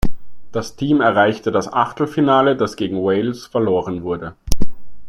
Das Team erreichte das Achtelfinale, das gegen Wales verloren wurde.